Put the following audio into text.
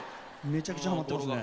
めちゃくちゃはまってますね。